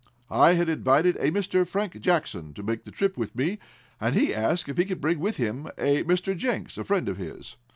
I had invited a Mr. Frank Jackson to make the trip with me, and he asked if he could bring with him a Mr. Jenks, a friend of his.